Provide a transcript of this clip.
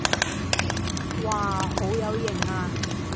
哇好有型啊